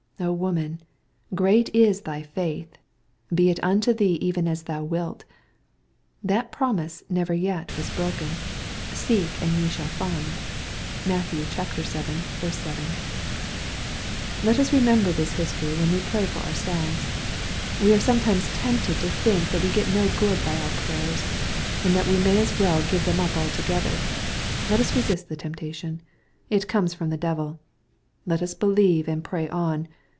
^^ woman, great is thy faith : be it unto thee even as thou wilt." That promise never yet was broken, " Seek and ye shall find. (Matt. vii. 7.) Let us remember this history, when we pray for our^ selves. We are sometimes tempted to think that we get no good by our prayers, and that we may as weU. give them up altogether. Let us resist the temptation. It comes from the devil. Let lis believe, and pray on.